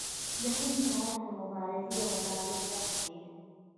د هند تاریخ د مبارزې او ازادۍ درس دی.